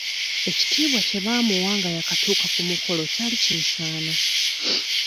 Ekitiibwa kye baamuwa nga yaakatuuka ku mukolo kyali kimusaana.